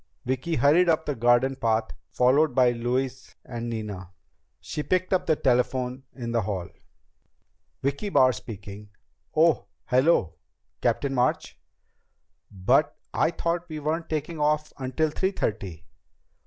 Vicki hurried up the garden path, followed by Louise and Nina. She picked up the telephone in the hall. "Vicki Barr speaking. ... Oh, hello, Captain March. ... But I thought we weren't taking off until three thirty.